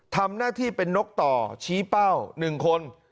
ทำหน้าที่เป็นนกต่อชี้เป้า๑คน